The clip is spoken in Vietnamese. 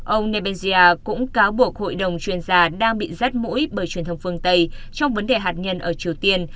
ông nebensia cũng cáo buộc hội đồng chuyên gia đang bị rắt mũi bởi truyền thông phương tây trong vấn đề hạt nhân ở triều tiên